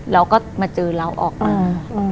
แล้วก็มาเจอเราออกมา